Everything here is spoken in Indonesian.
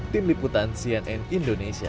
tim liputan cnn indonesia